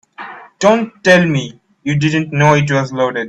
Don't tell me you didn't know it was loaded.